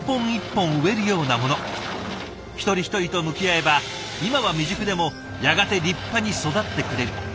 一人一人と向き合えば今は未熟でもやがて立派に育ってくれる。